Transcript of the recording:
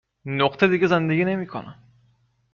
نقطه دیگه زندگی نمیکنم